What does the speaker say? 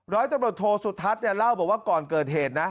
ร้อยตำรวจโทสุทัศน์เนี่ยเล่าบอกว่าก่อนเกิดเหตุนะ